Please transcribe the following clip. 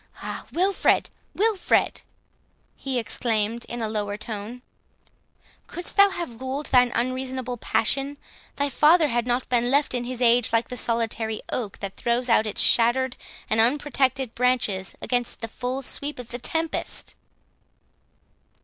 —Ah, Wilfred, Wilfred!" he exclaimed in a lower tone, "couldst thou have ruled thine unreasonable passion, thy father had not been left in his age like the solitary oak that throws out its shattered and unprotected branches against the full sweep of the tempest!"